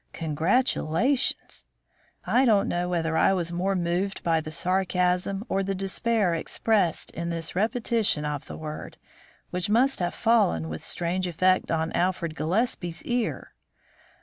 "Congratulations!" I don't know whether I was more moved by the sarcasm or the despair expressed in this repetition of the word, which must have fallen with strange effect on Alfred Gillespie's ear.